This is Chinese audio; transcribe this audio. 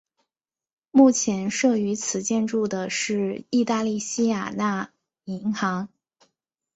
目前设于此建筑的是意大利西雅那银行。